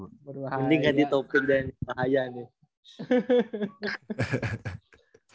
enggak lebih penting kan di topik dan bahaya nih